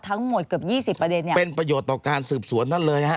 ทั้งหมดเกือบยี่สิบประเด็นเนี่ยเป็นประโยชน์ต่อการสืบสวนนั่นเลยฮะ